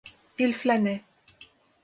Il flânait.